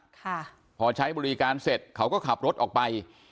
ค่ะพอใช้บริการเสร็จเขาก็ขับรถออกไป